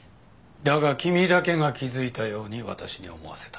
だが君だけが気づいたように私に思わせた。